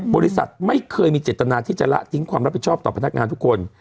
บริษัทไม่เคยมีเจตนาที่จะละทิ้งความรับผิดชอบต่อพนักงานทุกคน